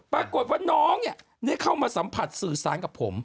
ปรากฏว่าน้องเนี่ยได้เข้ามาสัมผัสสื่อสารกับผม